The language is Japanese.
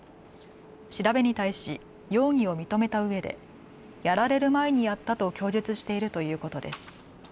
調べに対し容疑を認めたうえでやられる前にやったと供述しているということです。